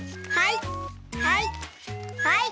はい！